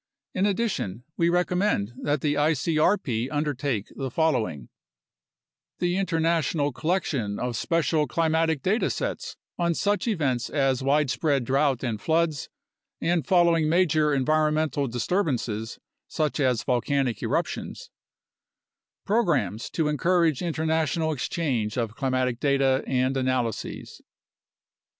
In addition, we recommend that the icrp undertake the following: The international collection of special climatic data sets on such events as widespread drought and floods and following major environ mental disturbances such as volcanic eruptions; Programs to encourage international exchange of climatic data and analyses.